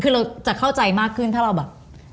คือเราจะเข้าใจมากขึ้นถ้าเราแบบ